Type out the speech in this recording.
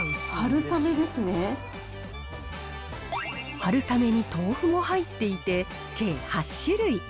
春雨に豆腐も入っていて、計８種類。